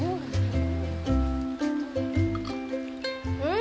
うん。